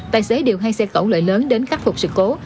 tài xế điều hai xe tổ lợi lớn đến khắc phục sự cố